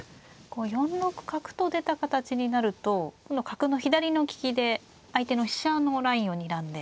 こう４六角と出た形になると角の左の利きで相手の飛車のラインをにらんで。